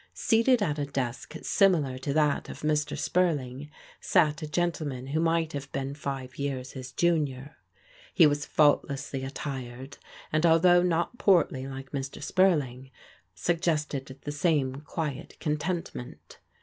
Seated at a desk similar to that of Mr. Spurling sat a gentleman who might have been five years his junior. He was faultlessly attired, and although not portly like Mr. Spurling, suggested the same quiet contoitment.